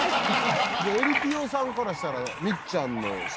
じゃあえりぴよさんからしたら。